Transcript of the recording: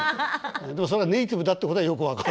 でもネイティブだってことはよく分かる。